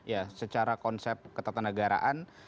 ya secara konsep ketatanegaraan